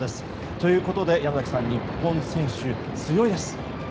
ということで山崎さん日本選手、強いです。